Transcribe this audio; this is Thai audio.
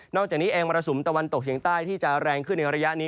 จากนี้เองมรสุมตะวันตกเฉียงใต้ที่จะแรงขึ้นในระยะนี้